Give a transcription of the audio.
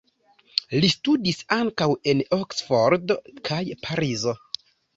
Li studis ankaŭ en Oksfordo kaj Parizo.